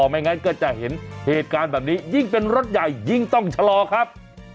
ไม่งั้นก็จะเห็นเหตุการณ์แบบนี้ยิ่งเป็นรถใหญ่ยิ่งต้องชะลอครับ